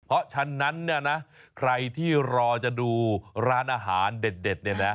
เพราะฉะนั้นเนี่ยนะใครที่รอจะดูร้านอาหารเด็ดเนี่ยนะ